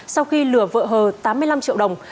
sau khi lửa vợ hờ tám mươi năm triệu đồng